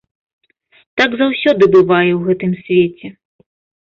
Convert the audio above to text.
Так заўсёды бывае ў гэтым свеце.